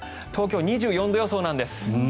東京２４度予想なんです。